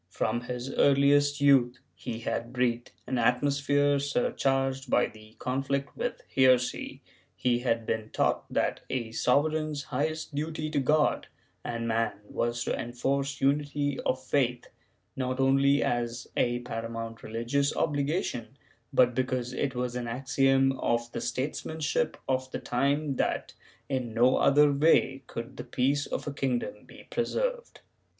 From his earliest youth he had breathed an atmosphere surcharged by the conflict with heresy; he had been taught that a sovereign's highest duty to God and man was to enforce unity of faith, not only as a paramount religious obligation, but because it was an axiom of the statesmanship of the time that, in no other way, could the peace of a kingdom be preserved.